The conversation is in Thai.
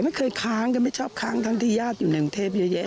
แล้วก็เพาะประกาศแบบนี้ใช่ใช้ใช้ก็แส